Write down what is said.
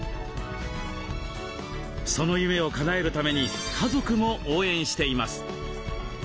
その夢をかなえるために家族も応援しています。